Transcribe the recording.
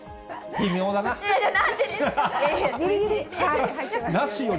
微妙だな。